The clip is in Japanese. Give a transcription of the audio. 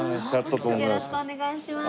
よろしくお願いします。